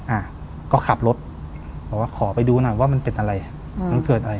อ่าก็ขับรถบอกว่าขอไปดูหน่อยว่ามันเป็นอะไรอืม